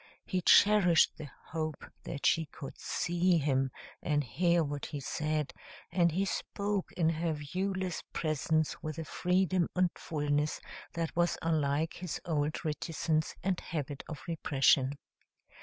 He cherished the hope that she could see him and hear what he said, and he spoke in her viewless presence with a freedom and fullness that was unlike his old reticence and habit of repression.